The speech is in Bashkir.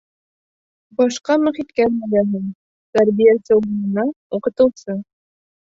Башҡа мөхиткә эләгәһең, тәрбиәсе урынына — уҡытыусы.